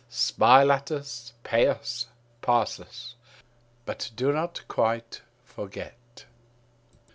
Smile at us, pay us, pass us. But do not quite forget. G.